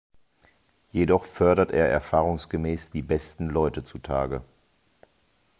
Jedoch fördert er erfahrungsgemäß die besten Leute zutage.